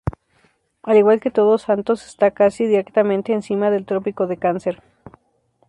Al igual que Todos Santos esta casi directamente encima del Trópico de Cáncer.